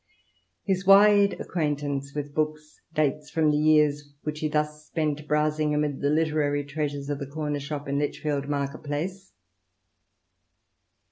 His wide acquaintance with books dates from the years which he thus spent browsing amid the literary treasures of the comer shop in Lichfield market place.